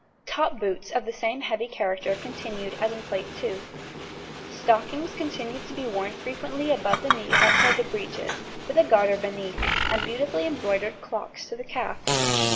Top boots of the same heavy character continued as in Plate II (see p. 42). Stockings continued to be worn frequently above the knee outside the breeches, with a garter beneath, and beautifully embroidered clocks to the calf.